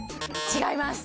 違います